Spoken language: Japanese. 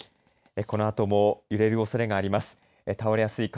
このあとも揺れるおそれがあります。